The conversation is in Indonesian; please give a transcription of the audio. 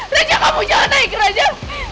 raja kamu jangan naik raja